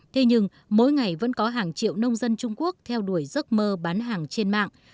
thế nhưng mỗi ngày vẫn có hàng triệu nông dân trung quốc theo đuổi giấc mơ bán hàng trên mạng